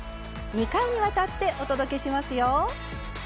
２回にわたってお届けしますよ。